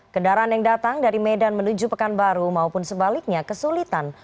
kendaraan yang datang dari medan menuju pekanbaru maupun sebaliknya kesulitan